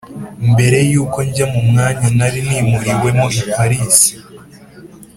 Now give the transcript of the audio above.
mbere y'uko njya mu mwanya nari nimuriwemo i parisi